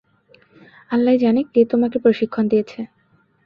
আল্লাহই জানে কে তোমাকে প্রশিক্ষণ দিয়েছে।